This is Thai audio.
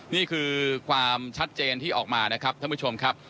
นี่คือความชัดเจนที่ออกมานะครับท่านผู้ชมครับ